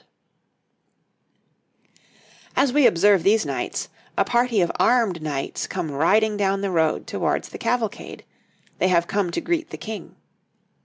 three types of head gear}] As we observe these knights, a party of armed knights come riding down the road towards the cavalcade; they have come to greet the King.